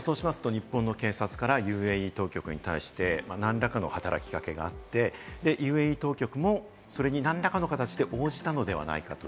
日本の警察からＵＡＥ当局に対して何らかの働き掛けがあって、ＵＡＥ当局もそれに何らかの形で応じたのではないかと。